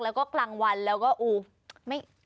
แล้วก็กลางวันแล้วก็อู้ไม่